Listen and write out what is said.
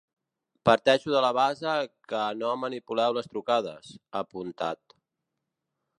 Parteixo de la base que no manipuleu les trucades, ha apuntat.